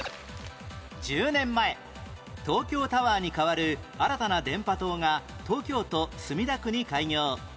１０年前東京タワーに代わる新たな電波塔が東京都墨田区に開業